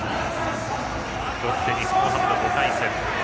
ロッテ、日本ハムの５回戦。